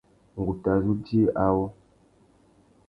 Ngu tà zu djï awô.